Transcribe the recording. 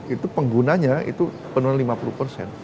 itu penggunanya itu penuh lima puluh